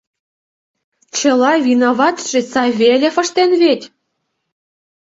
— Чыла виноватше Савельев ыштен веть...